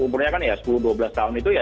umurnya kan ya sepuluh dua belas tahun itu ya